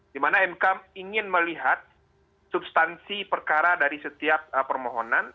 dimana mk ingin melihat substansi perkara dari setiap permohonan